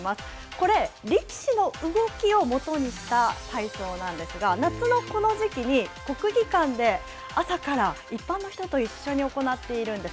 これ、力士の動きをもとにした体操なんですが、夏のこの時期に国技館で、朝から一般の人と一緒に行っているんです。